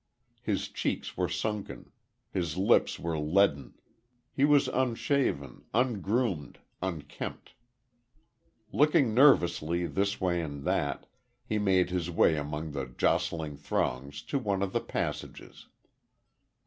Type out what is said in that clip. His cheeks were sunken. His lips were leaden. He was unshaven, ungroomed, unkempt. Looking nervously, this way and that, he made his way among the jostling throngs to one of the passages.